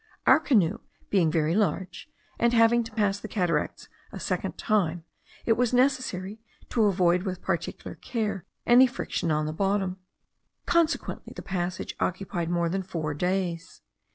Our canoe being very large, and having to pass the cataracts a second time, it was necessary to avoid with particular care any friction on the bottom; consequently the passage occupied more than four days.